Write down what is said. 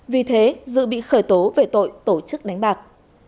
vì thế dự bị khởi tố về tội tổ chức đánh bạc